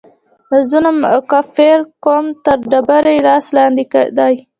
د ظلم او کافر قوم تر ډبره یې لاس لاندې دی.